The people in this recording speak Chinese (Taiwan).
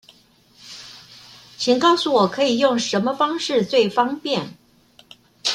請告訴我可以用什麼方式最方便